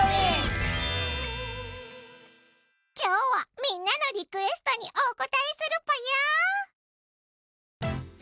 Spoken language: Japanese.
今日はみんなのリクエストにお応えするぽよ！